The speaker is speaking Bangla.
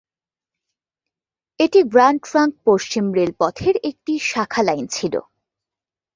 এটি গ্রান্ড ট্রাঙ্ক পশ্চিম রেলপথের একটি শাখা লাইন ছিল।